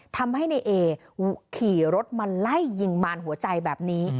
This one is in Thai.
ทำให้ในเอขี่รถมาไล่ยิงมารหัวใจแบบนี้